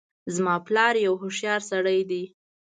زما پلار یو هوښیارسړی ده